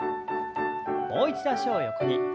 もう一度脚を横に。